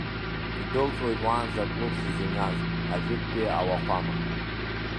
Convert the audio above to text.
Идәылҵуеит уаанӡа клубс изыҩназ ажәытәтәи ауахәама.